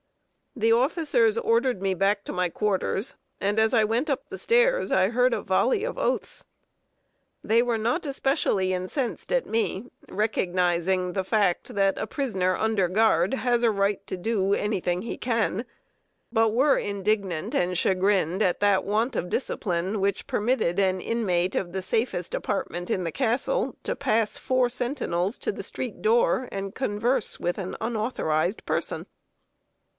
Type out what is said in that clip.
The officers ordered me back to my quarters, and as I went up the stairs, I heard a volley of oaths. They were not especially incensed at me, recognizing the fact that a prisoner under guard has a right to do any thing he can; but were indignant and chagrined at that want of discipline which permitted an inmate of the safest apartment in the Castle to pass four sentinels to the street door, and converse with an unauthorized person. [Sidenote: VISIT FROM A FRIENDLY WOMAN.